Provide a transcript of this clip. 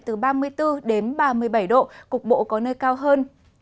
từ ba mươi bốn đến ba mươi bảy độ cục bộ có nơi cao hơn